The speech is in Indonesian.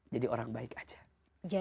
jadi orang baik saja